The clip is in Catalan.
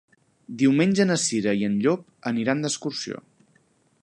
Diumenge na Cira i en Llop aniran d'excursió.